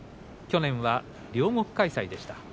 去年は両国開催でした。